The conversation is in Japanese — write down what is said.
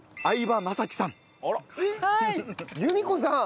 由美子さん！